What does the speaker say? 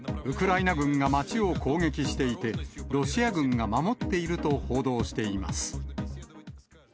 ウクライナ軍が街を攻撃していて、ロシア軍が守っていると報道しています。